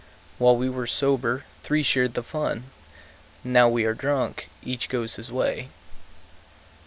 While we were sober, three shared the fun; Now we are drunk, each goes his way.